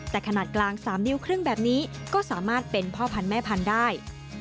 แต่ขนาดกลาง๓นิ้วครึ่งแบบนี้ก็สามารถเป็นพ่อพันธุ์แม่พันธุ์ได้